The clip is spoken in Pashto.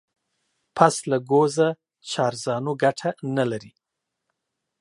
پسله گوزه چارزانو گټه نه لري.